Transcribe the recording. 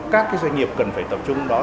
các doanh nghiệp cần phải tập trung đó